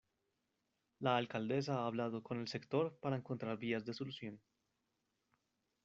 La alcaldesa ha hablado con el sector para encontrar vías de solución.